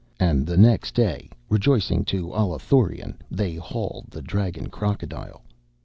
And the next day, rejoicing, to Allathurion they hauled the dragon crocodile.